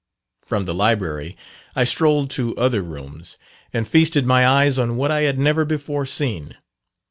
From the Library I strolled to other rooms, and feasted my eyes on what I had never before seen.